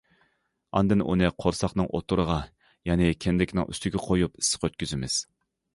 ئاندىن ئۇنى قورساقنىڭ ئوتتۇرىغا يەنى كىندىكنىڭ ئۈستىگە قويۇپ ئىسسىق ئۆتكۈزىمىز.